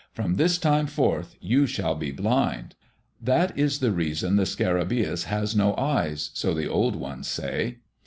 From this time forth, you shall be blind." That is the reason the scarabaeus has no eyes, so the old ones say.